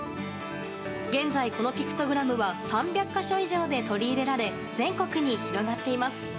現在このピクトグラムは３００か所以上で取り入れられ全国に広がっています。